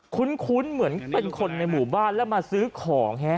คุ้นเหมือนเป็นคนในหมู่บ้านแล้วมาซื้อของ